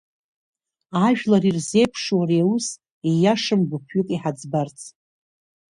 Ажәлар ирзеиԥшу ари аус, ииашам гәыԥҩык иҳаӡбарц.